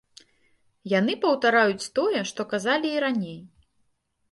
Яны паўтараюць тое, што казалі і раней.